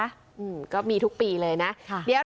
อืมก็มีทุกปีเลยนะ